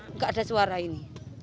enggak ada suara ini